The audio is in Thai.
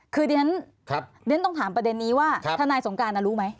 คือเรียนต้องถามประเด็นนี้ว่าทนายสงการรู้ไหม